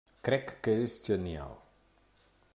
Crec que és genial.